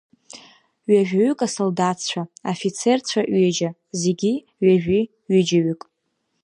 Ҩажәаҩык асолдаҭцәа, афицерцәа ҩыџьа, зегьы ҩажәи-ҩыџьаҩык.